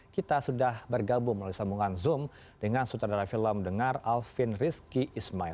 kita sudah bergabung melalui sambungan zoom dengan sutradara film dengar alvin rizky ismail